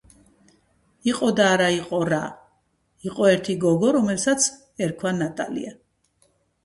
იყო და არა იყო რა იყო ერთი გოგო რომელსაც ერქვა ნატალია